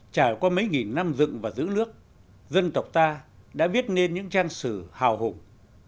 trải qua mấy nghìn năm dựng và giữ nước dân tộc ta đã viết nên những trang sử hào hùng